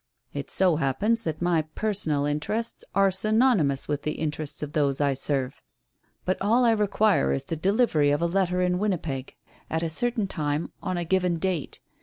"It so happens that my 'personal interests' are synonymous with the interests of those I serve. But all I require is the delivery of a letter in Winnipeg, at a certain time on a given date.